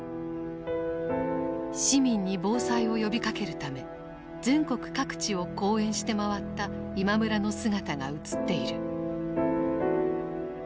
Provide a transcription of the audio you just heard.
市民に防災を呼びかけるため全国各地を講演して回った今村の姿が映っている。